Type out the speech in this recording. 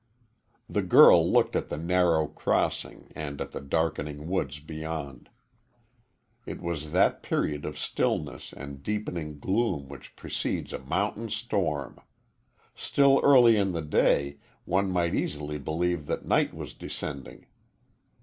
The girl looked at the narrow crossing and at the darkening woods beyond. It was that period of stillness and deepening gloom which precedes a mountain storm. Still early in the day, one might easily believe that night was descending.